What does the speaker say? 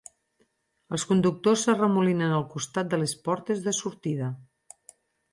Els conductors s'arremolinen al costat de les portes de sortida.